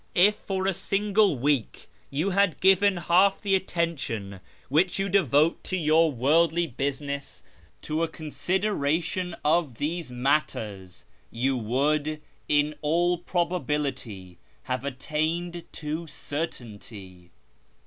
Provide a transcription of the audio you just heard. If for a single week you had given half the attention which you devote to your worldly business to a consideration of these matters, you would, in all probability, have attained to certainty.